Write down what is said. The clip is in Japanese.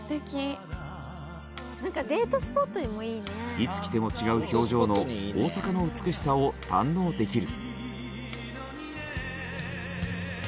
いつ来ても違う表情の大阪の美しさを堪能できる。